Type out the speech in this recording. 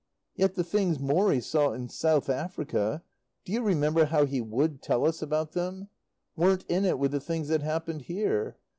Yet the things Morrie saw in South Africa do you remember how he would tell us about them? weren't in it with the things that happened here.